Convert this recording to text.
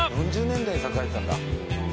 ４０年代に栄えてたんだ。